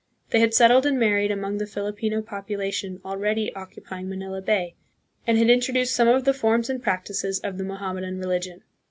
They had settled and married among the Filipino population already occupying Manila Bay, and had introduced some of the forms and practices of the Mohammedan religion.